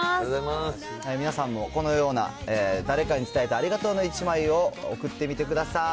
皆さんもこのような、誰かに伝えたいありがとうの１枚を送ってみてください。